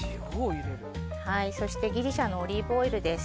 そしてギリシャのオリーブオイルです。